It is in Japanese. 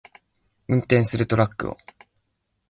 運転するトラックを